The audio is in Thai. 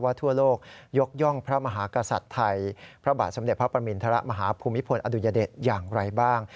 ทั่วโลกยกย่องพระมหากษัตริย์ไทยพระบาทสมเด็จพระประมินทรมาฮภูมิพลอดุญเดชอย่างไรบ้าง